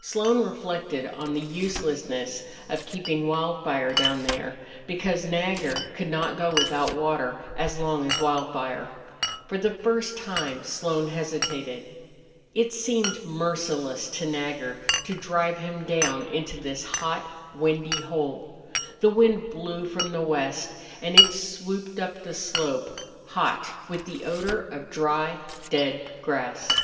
Slone reflected on the uselessness of keeping Wildfire down there, because Nagger could not go without water as long as Wildfire. For the first time Slone hesitated. It seemed merciless to Nagger to drive him down into this hot, windy hole. The wind blew from the west, and it swooped up the slope, hot, with the odor of dry, dead grass.